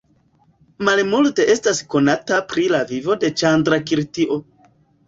Malmulte estas konata pri la vivo de Ĉandrakirtio.